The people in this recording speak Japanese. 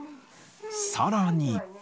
さらに。